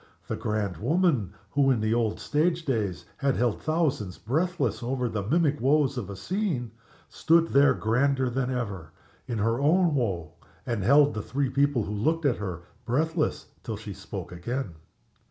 The grand woman, who in the old stage days had held thousands breathless over the mimic woes of the scene, stood there grander than ever, in her own woe, and held the three people who looked at her breathless till she spoke again.